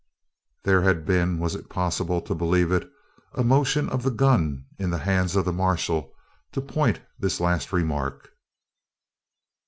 There had been was it possible to believe it? a motion of the gun in the hands of the marshal to point this last remark.